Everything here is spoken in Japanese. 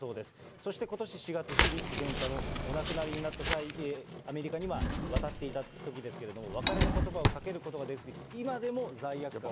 そしてことし４月、フィリップ殿下のお亡くなりになった際に、アメリカには渡っていたときですけれども、別れのことばをかけることができず、今でも罪悪感を。